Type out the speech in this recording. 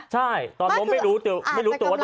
บางคนอาจจะกำลังงงอยู่ไงว่า